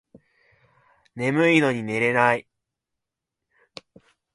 眠いのに寝れない